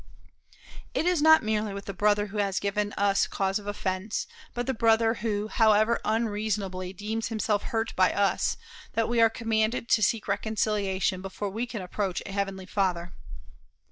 It is not merely with the brother who has given us cause of offense, but the brother who, however unreasonably, deems himself hurt by us, that we are commanded to seek reconciliation before we can approach a Heavenly Father.